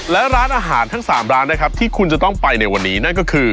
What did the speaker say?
และร้านอาหารทั้ง๓ร้านนะครับที่คุณจะต้องไปในวันนี้นั่นก็คือ